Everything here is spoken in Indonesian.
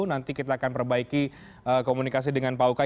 nanti kita akan perbaiki komunikasi dengan pak uka